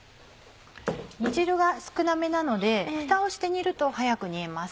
煮汁が少なめなのでふたをして煮ると早く煮えます。